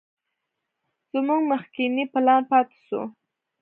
زموږ مخکينى پلان پاته سو.